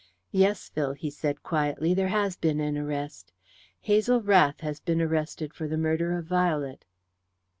"Yes, Phil," he said quietly, "there has been an arrest. Hazel Rath has been arrested for the murder of Violet."